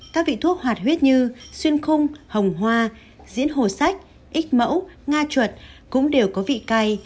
các vị thuốc hoạt huyết như xuyên khung hồng hoa diễn hồ sách ít mẫu nga chuột cũng đều có vị cay